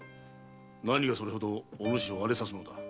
何がそれほどお主を荒れさせる？